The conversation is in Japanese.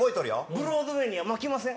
ブロードウェイには負けません！